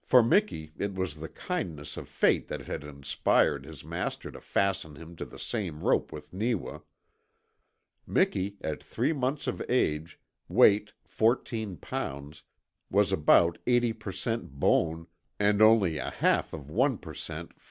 For Miki it was the kindness of fate that had inspired his master to fasten him to the same rope with Neewa. Miki, at three months of age weight, fourteen pounds was about 80 per cent. bone and only a half of 1 per cent.